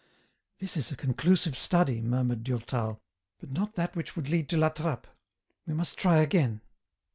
" This is a conclusive study," murmured Durtal, " but not that which would lead to La Trappe. We must try again."